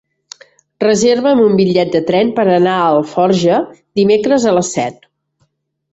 Reserva'm un bitllet de tren per anar a Alforja dimecres a les set.